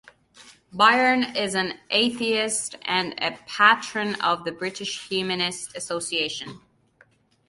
Byrne is an atheist and a Patron of the British Humanist Association.